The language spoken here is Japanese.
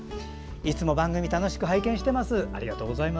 いつも番組楽しく拝見してます。